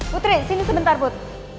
putri sini sebentar put